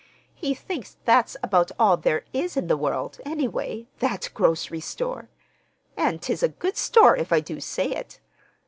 He thinks that's about all there is in the world, anyway,—that grocery store. And 'tis a good store, if I do say it.